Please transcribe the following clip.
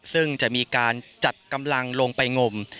ซึ่งจะมีการจัดกำลังลงไปงม